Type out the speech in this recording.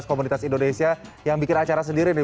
komunitas indonesia yang bikin acara sendiri nih